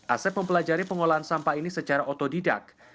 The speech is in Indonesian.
asep mempelajari pengolahan sampah ini secara otodidak